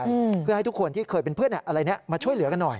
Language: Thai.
ซึ่งให้ทุกคนที่เคยเป็นเพื่อนอะไรนี้มาช่วยเหลือกันหน่อย